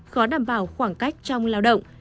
khó đảm bảo khoảng cách trong lao động